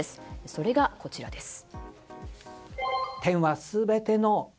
それが、こちらです。